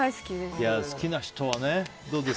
好きな人はね。